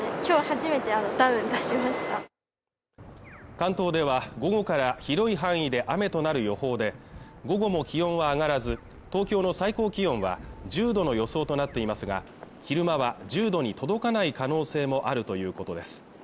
関東では午後から広い範囲で雨となる予報で午後も気温は上がらず東京の最高気温は１０度の予想となっていますが昼間は１０度に届かない可能性もあるということです